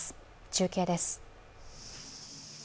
中継です。